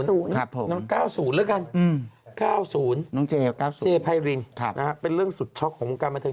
ยุค๙๐แล้วกัน๙๐เจภัยรินเป็นเรื่องสุดช็อคของการบันทึง